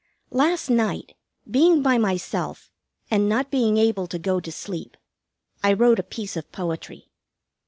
Last night, being by myself, and not being able to go to sleep, I wrote a piece of poetry.